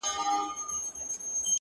شاعره خداى دي زما ملگرى كه ـ